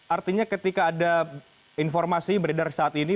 artinya ketika ada informasi beredar saat ini